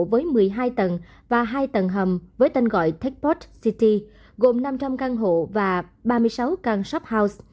với một mươi hai tầng và hai tầng hầm với tên gọi techbox city gồm năm trăm linh căn hộ và ba mươi sáu căn shophouse